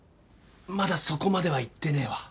まだそこまではいってねえわ。